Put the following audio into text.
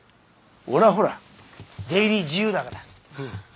俺はほら出入り自由だから。